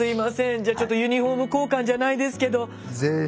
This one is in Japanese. じゃあちょっとユニフォーム交換じゃないですけど。